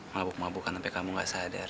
mabuk mabukkan sampai kamu gak sadar